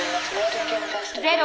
ゼロ！